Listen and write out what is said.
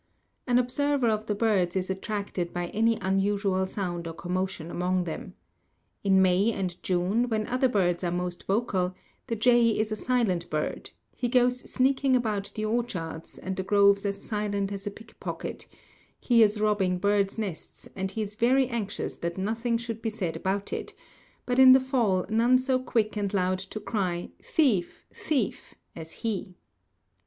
An observer of the birds is attracted by any unusual sound or commotion among them. In May and June, when other birds are most vocal, the jay is a silent bird; he goes sneaking about the orchards and the groves as silent as a pickpocket; he is robbing birds' nests and he is very anxious that nothing should be said about it, but in the fall none so quick and loud to cry "Thief, thief" as he.